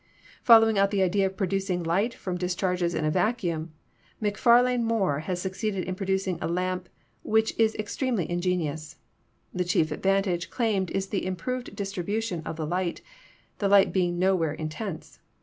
Following out the idea of producing light from dis charges in a vacuum, MacFarlane Moore has succeeded in producing a lamp which is extremely ingenious. The chief advantage claimed is the improved distribution of the light, the light being nowhere intense.